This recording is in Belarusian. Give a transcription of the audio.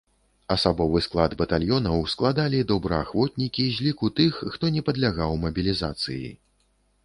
Асабовы склад батальёнаў складалі добраахвотнікі з ліку тых, хто не падлягаў мабілізацыі.